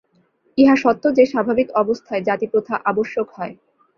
ইহা সত্য যে, স্বাভাবিক অবস্থায় জাতি-প্রথা আবশ্যক হয়।